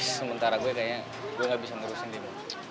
sementara gue kayaknya gue nggak bisa lulusin nih